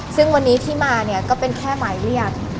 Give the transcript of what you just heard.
ซึ่งวันนี้ที่มาเนี่ยก็เป็นแค่หมายเรียก